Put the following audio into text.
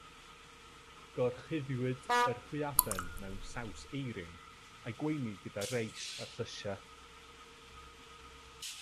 Gorchuddiwyd yr hwyaden mewn saws eirin, a'i gweini gyda reis a llysiau.